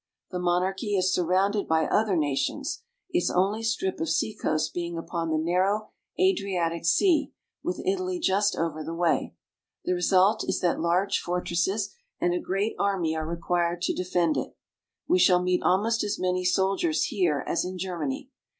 The monarchy is sur rounded by other nations, its only strip of seacoast being upon the narrow Adriatic Sea, with Italy just over the way. The result is that large fortresses and a great army are required to defend it. We shall meet almost as many soldiers here as in Germany.